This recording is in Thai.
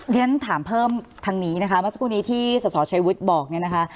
เรียนถามเพิ่มทางนี้นะคะเมื่อสักครู่นี้ที่สสชัยวุฒิบอกเนี่ยนะคะ